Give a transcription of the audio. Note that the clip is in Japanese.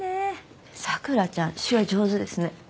桜ちゃん手話上手ですね。